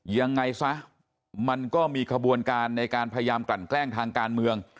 ยังไงซะมันก็มีขบวนการในการพยายามกลั่นแกล้งทางการเมือง